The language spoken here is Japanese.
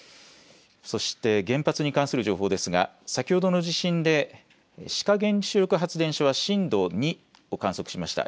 そして原発に関する情報ですが先ほどの地震で志賀原子力発電所は震度２を観測しました。